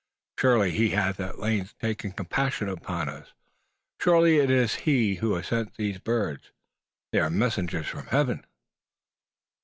Surely He hath at length taken compassion upon us! Surely it is He who has sent these birds! They are messengers from Heaven!"